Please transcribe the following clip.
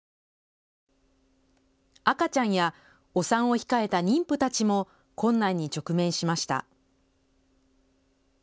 赤ちゃんやお産を控えた妊婦たちも困難に直面しました。